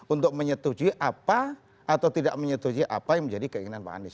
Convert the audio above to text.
untuk menyetujui apa atau tidak menyetujui apa yang menjadi keinginan pak anies